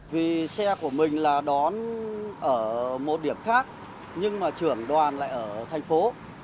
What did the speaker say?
vì xe của mình là đón ở một điểm khác nhưng mà trưởng đoàn lại ở thành phố